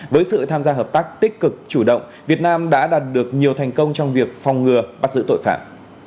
với sự tham gia hợp tác tích cực chủ động việt nam đã đạt được nhiều thành công trong việc phòng ngừa bắt giữ tội phạm